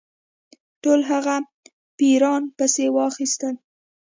ټول هغه پیران پسي واخیستل.